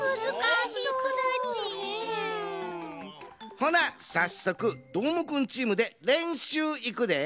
ほなさっそくどーもくんチームでれんしゅういくで。